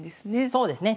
そうですね。